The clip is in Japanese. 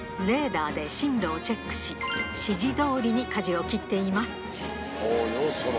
レーダーで針路をチェックし、指示どおりにかじを切っています。